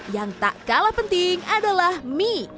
yang tak kalah penting adalah mie